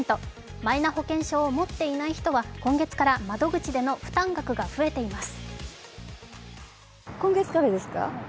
マイナ保険証を持っていない人は今月から窓口での負担額が増えています。